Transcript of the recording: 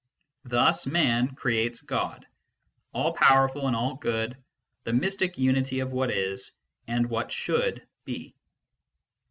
Thus Man creates God, all powerful and all good, the mystic unity of what is and what should be.